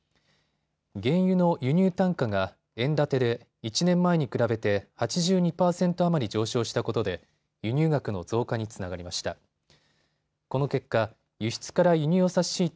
原油の輸入単価が円建てで１年前に比べて８２％余り上昇したことで輸入額の増加につながりました。